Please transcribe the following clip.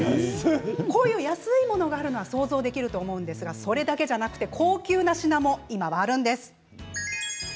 こういう安いものがあるのは想像できると思うんですがそれだけではなくて高級な品も今はあるんです。